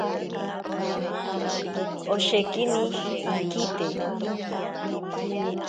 Oshekini inkite.